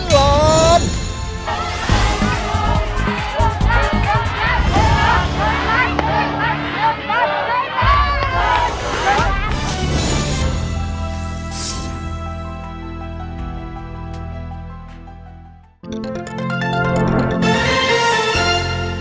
โปรดติดตามตอนต่อไป